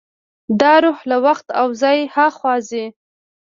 دا روح له وخت او ځای هاخوا ځي.